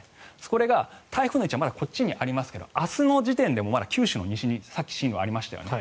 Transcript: これが、台風の位置はまだこっちにありますが明日の時点でもまだ九州の西にさっき進路がありましたよね。